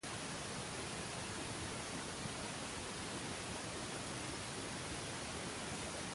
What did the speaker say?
¿Jugarás tú con él como con pájaro, O lo atarás para tus niñas?